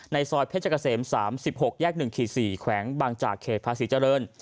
ซอยเพชรเกษม๓๖แยก๑๔แขวงบางจากเขตภาษีเจริญ